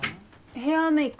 ヘアメイク。